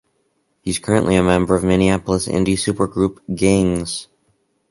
He is currently a member of Minneapolis indie supergroup Gayngs.